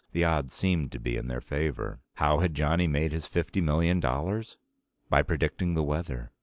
The odds seemed to be in their favor. How had Johnny made his fifty million dollars? By predicting the weather.